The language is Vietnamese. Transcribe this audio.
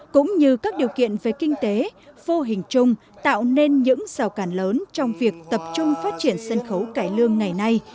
cũng như các điều kiện về kinh tế vô hình chung tạo nên những rào cản lớn trong việc tập trung phát triển sân khấu cải lương ngày nay